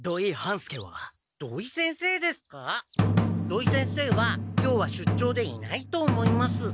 土井先生は今日は出張でいないと思います。